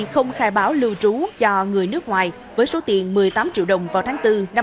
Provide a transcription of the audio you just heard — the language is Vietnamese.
không khai báo lưu trú cho người nước ngoài với số tiền một mươi tám triệu đồng vào tháng bốn năm hai nghìn hai mươi